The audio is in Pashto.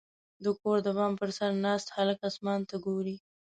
• د کور د بام پر سر ناست هلک اسمان ته ګوري.